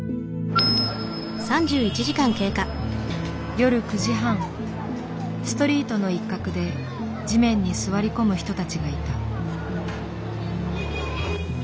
夜９時半ストリートの一角で地面に座り込む人たちがいた。